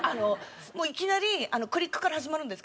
いきなりクリックから始まるんですけど。